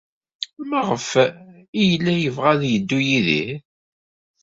Maɣef ay yella yebɣa ad yeddu Yidir?